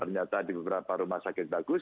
ternyata di beberapa rumah sakit bagus